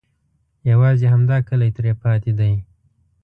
یوازې همدا کلی ترې پاتې دی.